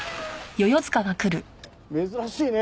珍しいね。